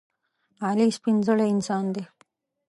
علي سپینزړی انسان دی.